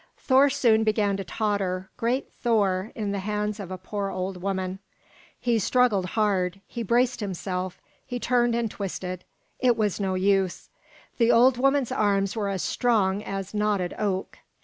Thor soon began to totter, great Thor, in the hands of a poor old woman! He struggled hard, he braced himself, he turned and twisted. It was no use; the old woman's arms were as strong as knotted oak.